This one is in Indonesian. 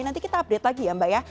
nanti kita update lagi ya mbak ya